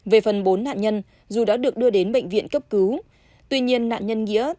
về phần bốn nạn nhân dù đã được đưa đến bệnh viện cấp cứu tuy nhiên nạn nhân nghĩa